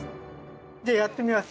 じゃあやってみます。